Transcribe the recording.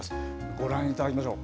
ご覧いただきましょう。